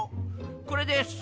これです。